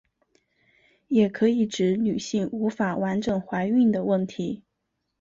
也可以指女性无法完整怀孕的问题。